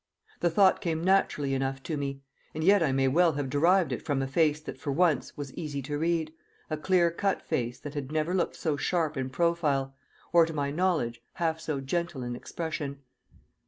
The thought came naturally enough to me. And yet I may well have derived it from a face that for once was easy to read, a clear cut face that had never looked so sharp in profile, or, to my knowledge, half so gentle in expression.